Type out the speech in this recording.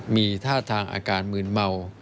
มีท่าทางอาการมืนเมา